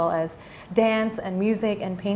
dan juga dansa musik dan lukisan